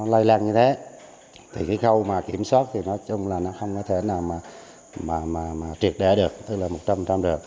lây lan như thế thì cái khâu mà kiểm soát thì nói chung là nó không có thể nào mà triệt đẻ được tức là một trăm linh được